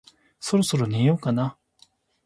そろそろ寝ようかな